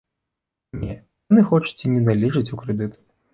Не, яны хочуць і надалей жыць у крэдыт.